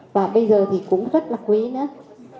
và bây giờ thì cũng rất là quý nữa